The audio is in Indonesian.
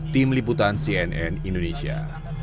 tim liputan cnn indonesia